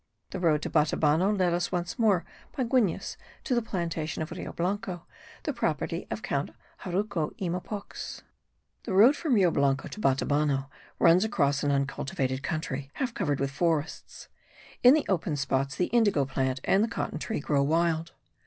The road to Batabano led us once more by Guines to the plantation of Rio Blanco, the property of Count Jaruco y Mopox. The road from Rio Blanco to Batabano runs across an uncultivated country, half covered with forests; in the open spots the indigo plant and the cotton tree grow wild.